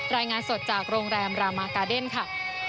รายงานสดจากโรงแรมรามากาเดนค่ะ